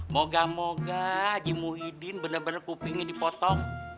moga moga haji muhyiddin bener bener kupingnya dipotong